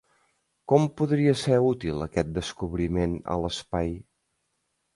Com podria ser útil aquest descobriment a l’espai?